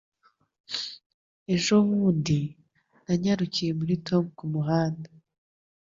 Ejo bundi, nanyarukiye muri Tom kumuhanda.